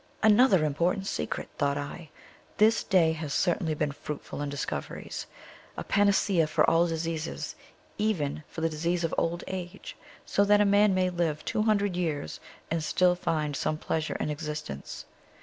_ "Another important secret!" thought I; "this day has certainly been fruitful in discoveries. A panacea for all diseases, even for the disease of old age, so that a man may live two hundred years, and still find some pleasure in existence.